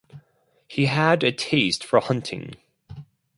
He had a taste for hunting.